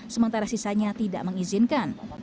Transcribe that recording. sementara sisanya tidak mengizinkan